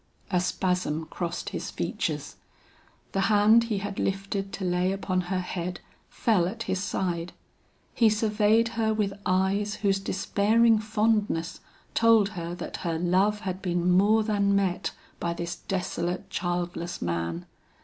A spasm crossed his features, the hand he had lifted to lay upon her head fell at his side, he surveyed her with eyes whose despairing fondness told her that her love had been more than met by this desolate childless man.